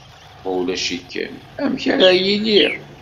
Ma ulac-ikem, amek ar ad iliɣ.